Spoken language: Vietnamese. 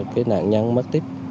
cái nạn nhân mất tích